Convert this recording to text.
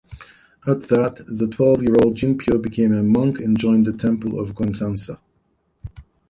At that, the twelve-year-old Jinpyo became a monk and joined the temple of Geumsansa.